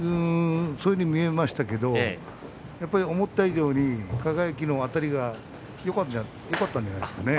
そういうふうに見えましたけれど思った以上に輝のあたりがよかったんじゃないですかね。